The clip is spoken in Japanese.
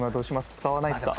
使わないっすか？